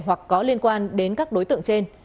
hoặc có liên quan đến các đối tượng trên